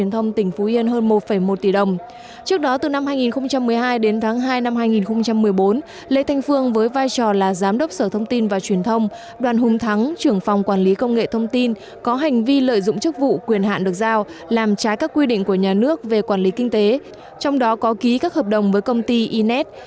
trước đó từ năm hai nghìn một mươi hai đến tháng hai năm hai nghìn một mươi bốn lê thanh phương với vai trò là giám đốc sở thông tin và truyền thông đoàn hùng thắng trưởng phòng quản lý công nghệ thông tin có hành vi lợi dụng chức vụ quyền hạn được giao làm trái các quy định của nhà nước về quản lý kinh tế trong đó có ký các hợp đồng với công ty innet